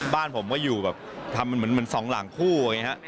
บ้านผมก็อยู่แบบทำเหมือนสองหลังคู่